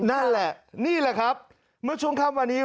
นั่นแหละนี่แหละครับเมื่อช่วงค่ำวันนี้